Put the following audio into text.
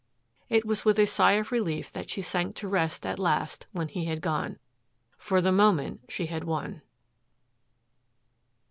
It was with a sigh of relief that she sank to rest at last when he had gone. For the moment she had won.